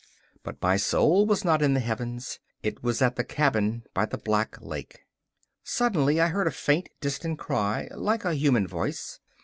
But my soul was not in the heavens; it was at the cabin by the Black Lake. Suddenly I heard a faint, distant cry, like a human voice.